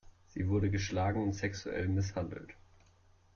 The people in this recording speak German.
Sie wurde geschlagen und sexuell misshandelt.